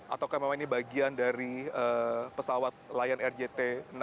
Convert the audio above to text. ataukah memang ini bagian dari pesawat lion air jt enam ratus sepuluh